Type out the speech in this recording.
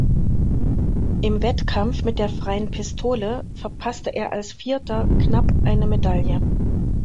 Im Wettkampf mit der Freien Pistole verpasste er als Vierter knapp eine Medaille.